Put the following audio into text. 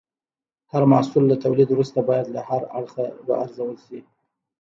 هر محصول له تولید وروسته باید له هر اړخه وارزول شي.